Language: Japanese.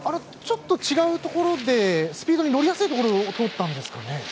ちょっと違うところでスピードに乗りやすいところを通ったんですかね。